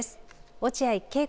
落合慶子